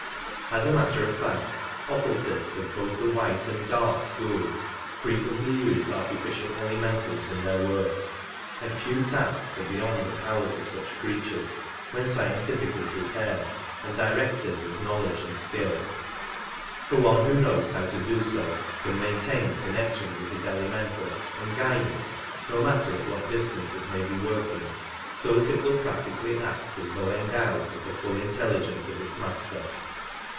As a matter of fact occultists of both the white and dark schools frequently use artificial elementals in their work, and few tasks are beyond the powers of such creatures when scientifically prepared and directed with knowledge and skill ; for one who knows how to do so can maintain a connection with his elemental and guide it, no matter at what distance it may be working, so that it will practically act as though endowed with the full intelligence of its master.